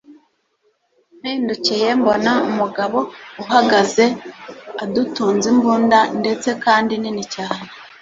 mpindukiye mbona umugabo uhagaze adutunze imbunda ndetse kandi nini cyane